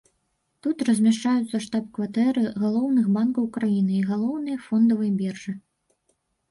Тут размяшчаюцца штаб-кватэры галоўных банкаў краіны і галоўнай фондавай біржы.